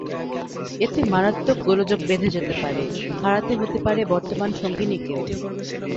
এতে মারাত্মক গোলযোগ বেঁধে যেতে পারে, হারাতে হতে পারে বর্তমান সঙ্গিনীকেও।